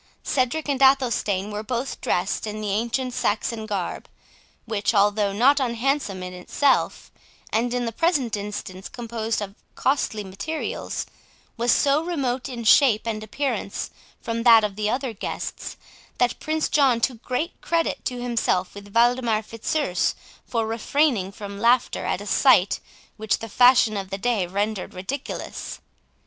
Cedric and Athelstane were both dressed in the ancient Saxon garb, which, although not unhandsome in itself, and in the present instance composed of costly materials, was so remote in shape and appearance from that of the other guests, that Prince John took great credit to himself with Waldemar Fitzurse for refraining from laughter at a sight which the fashion of the day rendered ridiculous.